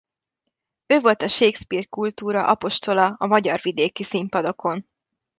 Ő volt a Shakespeare-kultúra apostola a magyar vidéki színpadokon.